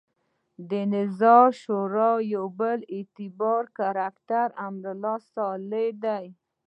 د نظار شورا بل اعتباري کرکټر امرالله صالح دی.